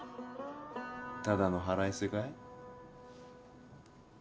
ただの腹いせかい？